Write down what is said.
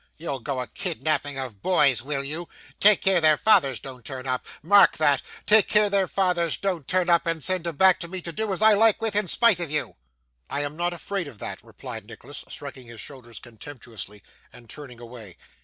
You'll go a kidnapping of boys, will you? Take care their fathers don't turn up mark that take care their fathers don't turn up, and send 'em back to me to do as I like with, in spite of you.' 'I am not afraid of that,' replied Nicholas, shrugging his shoulders contemptuously, and turning away.